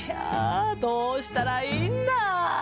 どうしたらいいんだ。